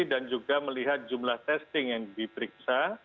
dan juga melihat jumlah testing yang diperiksa